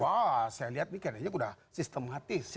wah saya lihat begini aja sudah sistematis